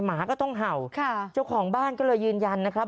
หมาก็ต้องเห่าค่ะเจ้าของบ้านก็เลยยืนยันนะครับ